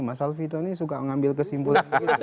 mas alvito ini suka ngambil kesimpulan